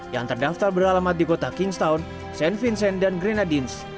yang terdaftar beralamat di kota kingstown st vincent dan grenadines